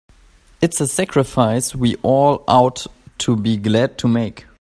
It's a sacrifice we all ought to be glad to make.